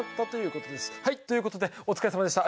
はいということでお疲れさまでした。